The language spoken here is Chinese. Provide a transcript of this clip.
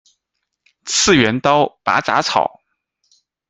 次元刀拔杂草